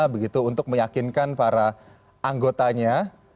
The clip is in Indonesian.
begitu untuk meyakinkan para anggotanya